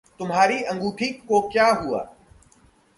तुम्हारी अँगूठी को क्या हुआ?